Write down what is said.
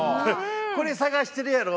これ探してるやろ？